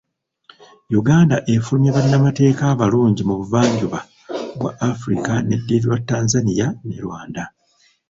Uganda efulumya bannamateeka abalungi mu buvannjuba bwa Africa neddirirwa Tanzania ne Rwanda.